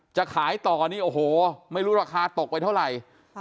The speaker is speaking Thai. จะขายต่อนี่โอ้โหไม่รู้ราคาตกไปเท่าไหร่